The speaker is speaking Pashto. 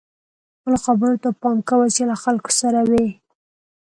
خپلو خبرو ته پام کوه چې له خلکو سره وئ.